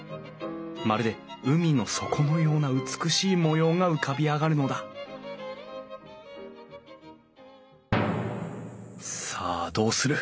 まるで海の底のような美しい模様が浮かび上がるのださあどうする？